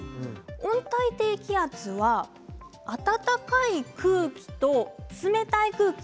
温帯低気圧は暖かい空気と冷たい空気